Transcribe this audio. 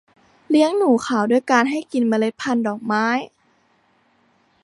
เลี้ยงหนูขาวด้วยการให้กินเมล็ดพันธ์ดอกไม้